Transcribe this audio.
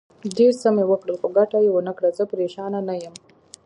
ډېر څه مې وکړل، خو ګټه یې ونه کړه، زه پرېشانه نه یم.